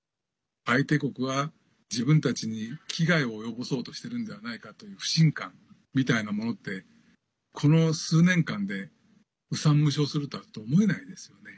相手国は、自分たちに危害を及ぼそうとしているんじゃないかという不信感みたいなものってこの数年間で雲散霧消するとは思えないですよね。